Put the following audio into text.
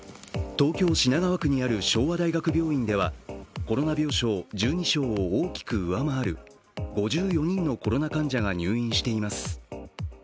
東京・品川区にある昭和大学病院ではコロナ病床１２床を大きく上回る５４人のコロナ患者が入院しています。